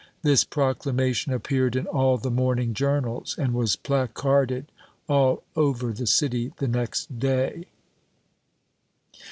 This proclamation appeared in all the morning journals, and was placarded all over the city the next day.